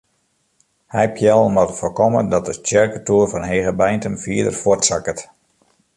Heipeallen moatte foarkomme dat de tsjerketoer fan Hegebeintum fierder fuortsakket.